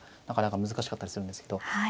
なかなか難しかったりするんですけど。